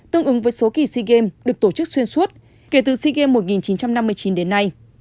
tương ứng với số kỳ sea games được tổ chức xuyên suốt kể từ sea games một nghìn chín trăm năm mươi chín đến nay